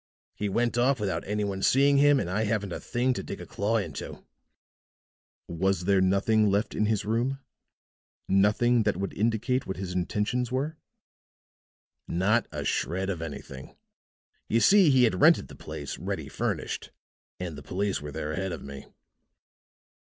He went off without any one seeing him, and I haven't a thing to dig a claw into." "Was there nothing left in his room nothing that would indicate what his intentions were?" "Not a shred of anything. You see, he had rented the place ready furnished. And the police were there ahead of me."